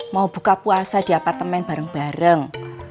mau buka puasa di apartemen bareng bareng